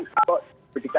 seperti tidak mendidikkan